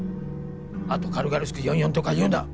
あと軽々しく「４４」とか言うな。